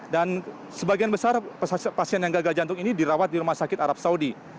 dan sebagian besar pasien yang gagal jantung ini dirawat di rumah sakit arab saudi